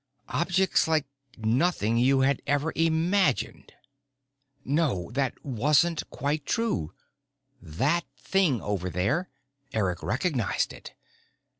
Objects like nothing you had ever imagined. No, that wasn't quite true. That thing over there. Eric recognized it.